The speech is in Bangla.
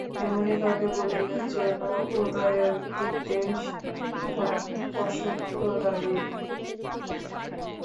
এমনিভাবে বলিলেন যেন উদয়াদিত্যের সে অপরাধ বসন্ত রায়েরই।